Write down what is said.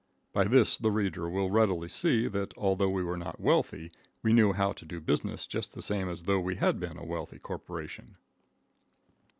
By this, the reader will readily see that, although we were not wealthy, we knew how to do business just the same as though we had been a wealthy corporation.